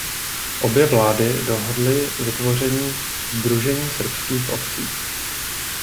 Obě vlády dohodly vytvoření "Sdružení srbských obcí".